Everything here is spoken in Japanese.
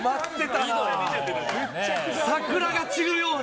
桜が散るように。